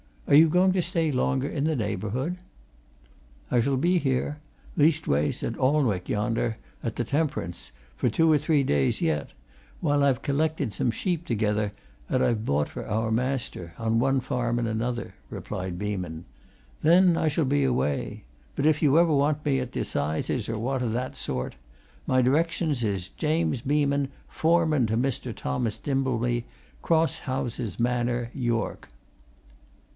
Are you going to stay longer in the neighbourhood?" "I shall be here leastways, at Alnwick yonder, at t' Temp'rance for two or three days yet, while I've collected some sheep together 'at I've bowt for our maister, on one farm and another," replied Beeman. "Then I shall be away. But if you ever want me, at t' 'Sizes, or wot o' that sort, my directions is James Beeman, foreman to Mr. Thomas Dimbleby, Cross houses Manor, York."